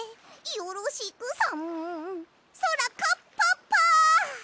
よろしくさんそらカッパッパ！